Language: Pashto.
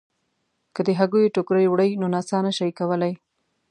که د هګیو ټوکرۍ وړئ نو نڅا نه شئ کولای.